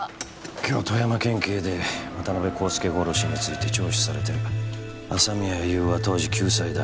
今日富山県警で渡辺康介殺しについて聴取されてる朝宮優は当時９歳だ